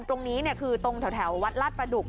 ตรงนี้คือตรงแถววัดลาดประดุก